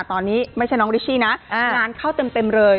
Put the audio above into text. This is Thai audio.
ตอนนี้ไม่ใช่น้องริชชี่นะงานเข้าเต็มเลย